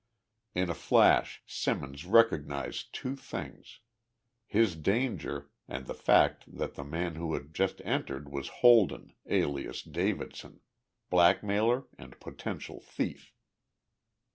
In a flash Simmons recognized two things his danger and the fact that the man who had just entered was Holden, alias Davidson, blackmailer and potential thief.